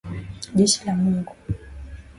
Jeshi la Mungu.